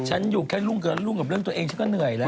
ฉันอยู่แค่รุ่งกับเรื่องตัวเองฉันก็เหนื่อยแล้ว